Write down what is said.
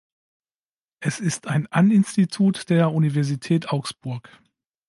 Es ist ein An-Institut der Universität Augsburg.